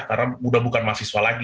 karena udah bukan mahasiswa lagi gitu ya